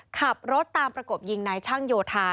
ขับรถตามประกบยิงนายช่างโยธา